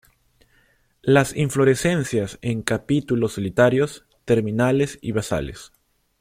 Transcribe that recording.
Las inflorescencias en capítulos solitarios, terminales y basales.